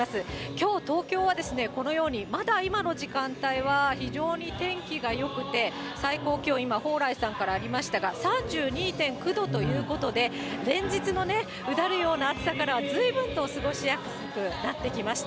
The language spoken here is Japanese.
きょう、東京はこのようにまだ今の時間帯は非常に天気がよくて、最高気温、今、蓬莱さんからありましたが、３２．９度ということで、連日のうだるような暑さからは、ずいぶんと過ごしやすくなってきました。